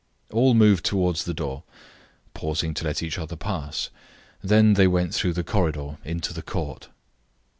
All moved towards the door, pausing to let each other pass. Then they went through the corridor into the court.